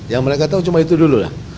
yang mereka tahu cuma itu dulu lah